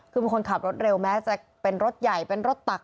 คือเป็นคนขับรถเร็วแม้จะเป็นรถใหญ่เป็นรถตัก